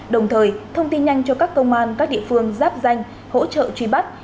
đồng thời thông tin nhanh cho các công an các địa phương giáp danh hỗ trợ truy bắt